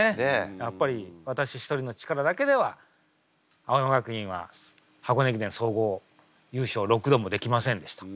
やっぱり私一人の力だけでは青山学院は箱根駅伝総合優勝６度もできませんでした。